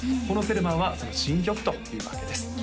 この「セルマン」はその新曲というわけです